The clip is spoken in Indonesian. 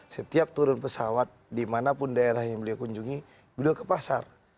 setiap turun pesawat dimanapun daerah yang beliau kunjungi beliau ke pasar